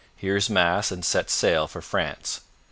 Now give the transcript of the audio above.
Hears Mass and sets sail for France.